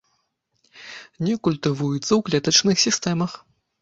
Не культывуюцца ў клетачных сістэмах.